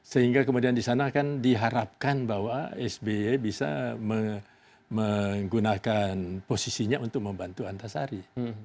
sehingga kemudian di sana kan diharapkan bahwa sby bisa menggunakan posisinya untuk membantu antasari